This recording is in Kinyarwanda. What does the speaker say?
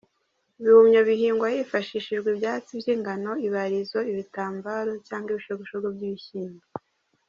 Ibihumyo bihingwa hifashishijwe ibyatsi by’ingano, ibarizo, ibitambaro, cyangwa ibishogoshogo by’ibishyimbo.